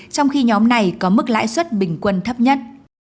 trong khi nhóm này có mức lãi suất bình quân thấp nhất